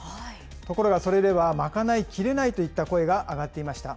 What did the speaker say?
ところがそれでは賄いきれないといった声が上がっていました。